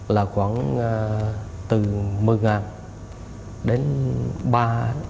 là khoảng từ một mươi đến ba lít